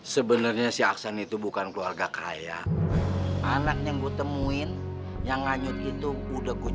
sebenarnya si aksen itu bukan keluarga kaya anaknya gue temuin yang nganyut itu udah kunju